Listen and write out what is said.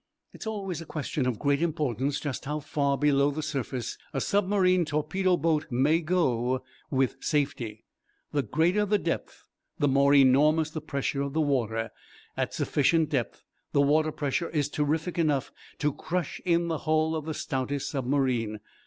It is always a question of great importance just how far below the surface a submarine torpedo boat may go with safety. The greater the depth the more enormous the pressure of the water. At sufficient depth the water pressure is terrific enough to crush in the hull of the stoutest submarine.